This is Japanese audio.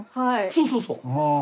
そうそうそう。